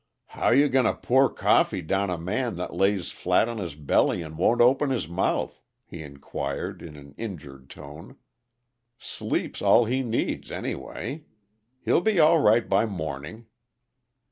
"How you going to pour coffee down a man that lays flat on his belly and won't open his mouth?" he inquired, in an injured tone. "Sleep's all he needs, anyway. He'll be all right by morning."